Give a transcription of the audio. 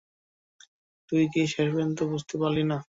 তুই কি শেষ পর্যন্ত বুঝতে পারলি না?